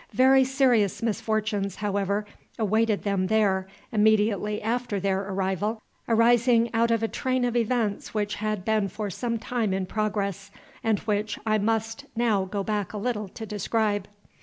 Very serious misfortunes, however, awaited them there immediately after their arrival, arising out of a train of events which had been for some time in progress, and which I must now go back a little to describe.